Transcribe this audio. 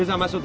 oh kayak gitu